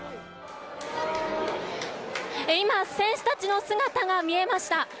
今、選手たちの姿が見えました。